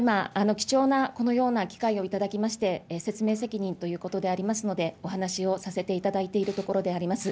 貴重なこのような機会を頂きまして、説明責任ということでありますので、お話をさせていただいているところであります。